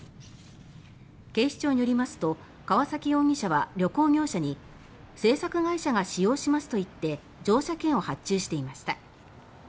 警視庁によりますと川崎容疑者は旅行業者に制作会社が使用しますと言って乗車券を発注していました。